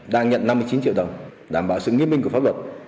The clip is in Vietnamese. đang nhận năm mươi chín triệu đồng đảm bảo sự nghiêm minh của pháp luật